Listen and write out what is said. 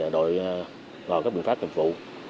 đội gọi các biện pháp hợp vụ